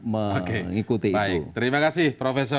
mengikuti itu baik terima kasih prof